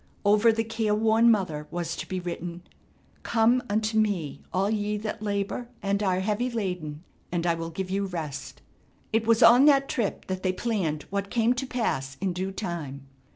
Over the care worn mother was to be written "Come unto me all ye that labor and are heavy laden and I will give you rest." It was on that trip that they planned what came to pass in due time.